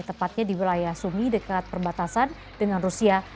tepatnya di wilayah sumi dekat perbatasan dengan rusia